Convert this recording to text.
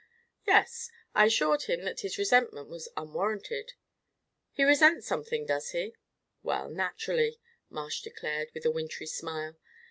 "Yes! I assured him that his resentment was unwarranted." "He resents something, does he?" "Well, naturally," Marsh declared, with a wintry smile.